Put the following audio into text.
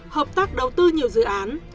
hợp tác đầu tư nhiều dự án